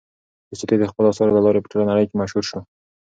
تولستوی د خپلو اثارو له لارې په ټوله نړۍ کې مشهور شو.